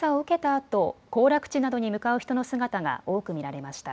あと行楽地などに向かう人の姿が多く見られました。